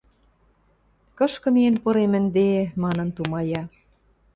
Кышкы миэн пырем ӹнде?» — манын тумая...